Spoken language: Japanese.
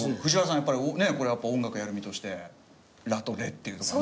やっぱりねこれ音楽やる身として「ラ」と「レ」っていうのがね。